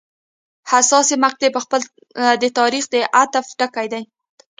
حساسې مقطعې په خپله د تاریخ د عطف ټکي دي.